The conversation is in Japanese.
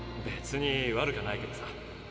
べつに悪かないけどさ。